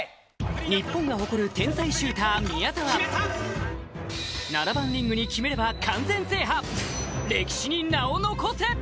日本が誇る天才シューター・宮澤７番リングにきめれば完全制覇歴史に名を残せ！